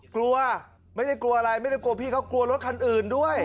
กลัวไม่ได้กลัวอะไรไม่ได้กลัวพี่เขากลัวรถคันอื่นด้วย